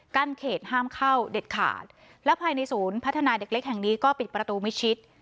เขตห้ามเข้าเด็ดขาดและภายในศูนย์พัฒนาเด็กเล็กแห่งนี้ก็ปิดประตูมิชิด